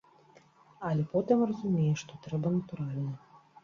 Але потым разумееш, што трэба натуральна.